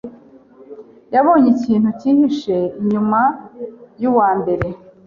yabonye ikintu cyihishe inyuma yuwambaye.